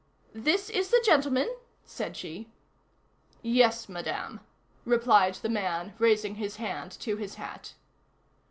"This is the gentleman?" said she. "Yes, Madame," replied the man, raising his hand to his hat.